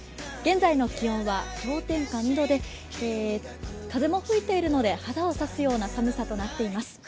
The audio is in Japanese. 現在の気温は氷点下２度で風も吹いているので肌を刺すような寒さとなっています。